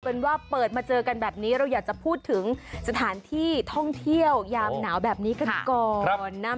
เป็นว่าเปิดมาเจอกันแบบนี้เราอยากจะพูดถึงสถานที่ท่องเที่ยวยามหนาวแบบนี้กันก่อนนะ